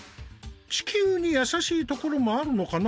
地球にやさしいところもあるのかな？